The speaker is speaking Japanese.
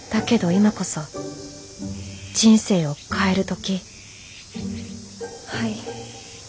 今こそ人生を変える時はい。